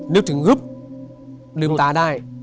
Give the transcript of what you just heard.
นึกถึงฮึบลืมตาได้